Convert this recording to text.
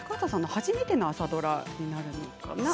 初めての朝ドラになるのかな？